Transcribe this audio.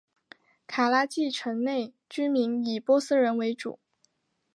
卡拉季城内居民以波斯人为主。